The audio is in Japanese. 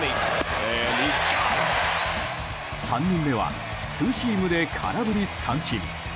３人目はツーシームで空振り三振。